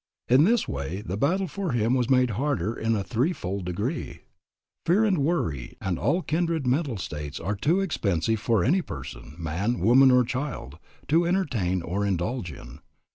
In this way the battle for him was made harder in a three fold degree. Fear and worry and all kindred mental states are too expensive for any person, man, woman, or child, to entertain or indulge in.